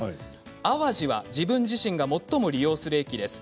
淡路は自分自身が最も利用する駅です。